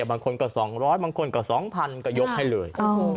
บางคนก็๒๐๐บางคนก็๒๐๐๐ก็ยกให้เลย